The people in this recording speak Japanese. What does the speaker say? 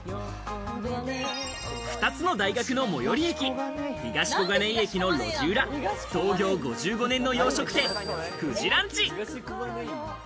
２つの大学の最寄り駅、東小金井駅の路地裏、創業５５年の洋食店、冨士ランチ。